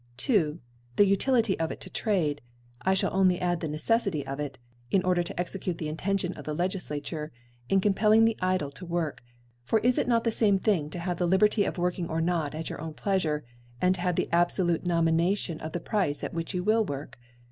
2. The Utility of it to Trade : I fhall only add, the Neceflfity of it, in order to execute the Intention of the Legiflature, in compelling >ihe Idle to work ; for IS it not the fame Thing to have the Li berty of working or not at yo* :r own Plea fure, and to have the abfolute Nomination of the Price at which you will work